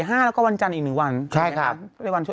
แล้วก็วันจันทร์อีก๑วัน